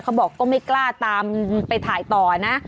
เขาบอกก็ไม่กล้าตามไปถ่ายต่อนะ